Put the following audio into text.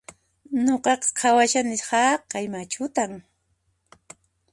Nuqaqa waqhashani haqay machutan